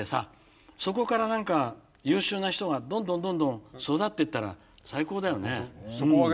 そこから何か優秀な人がどんどんどんどん育ってったら最高だよね。